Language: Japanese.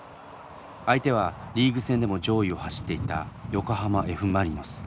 相手はリーグ戦でも上位を走っていた横浜Ｆ・マリノス。